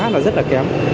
nó rất là kém